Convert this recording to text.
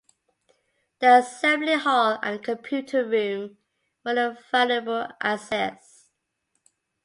The Assembly hall and Computer Room were valuable assets.